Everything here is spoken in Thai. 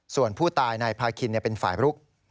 ส่วนผู้ตายนายพาคินเป็นฝ่ายบรุก